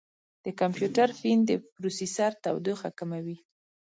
د کمپیوټر فین د پروسیسر تودوخه کموي.